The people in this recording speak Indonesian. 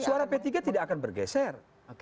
suara p tiga tidak akan bergeser